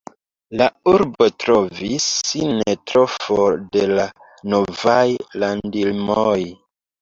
La urbo trovis sin ne tro for de la novaj landlimoj.